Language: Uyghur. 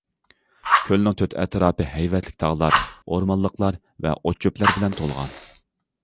كۆلنىڭ تۆت ئەتراپى ھەيۋەتلىك تاغلار، ئورمانلىقلار ۋە ئوت- چۆپلەر بىلەن تولغان.